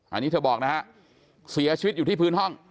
อันนี้เธอบอกนะฮะเสียชีวิตอยู่ที่พื้นห้อง